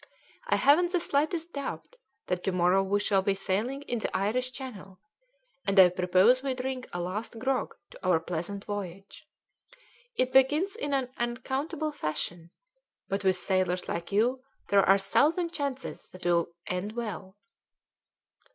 I haven't the slightest doubt that to morrow we shall be sailing in the Irish Channel, and I propose we drink a last grog to our pleasant voyage. It begins in an unaccountable fashion, but with sailors like you there are a thousand chances that it will end well."